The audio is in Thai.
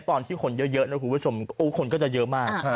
ตอนที่คนเยอะนะคุณผู้ชมคนก็จะเยอะมาก